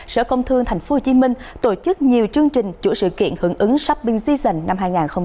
sở công thương tp hcm tổ chức nhiều chương trình chủ sự kiện hưởng ứng shopping season năm hai nghìn hai mươi ba